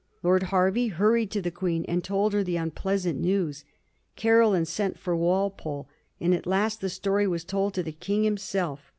Lord Hervey hurried to the Queen and told her the un pleasant news. Caroline sent for Walpole ; and at last the story was told to the King himself.